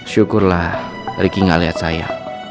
syukurlah riki gak liat saya